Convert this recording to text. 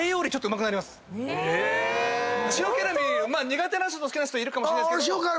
⁉苦手な人好きな人いるかもしれないですけど